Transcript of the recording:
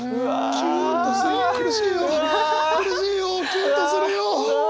キュンとするよ。